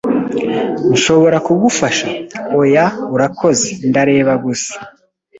"Nshobora kugufasha?" "Oya, urakoze. Ndareba gusa."